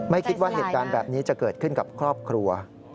ไม่คิดว่าเหตุการณ์แบบนี้จะเกิดขึ้นกับครอบครัว